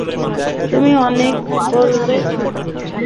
তুমি অনেক বলেছো।